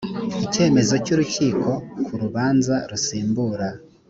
icyemezo cy urukiko ku rubanza rusimbura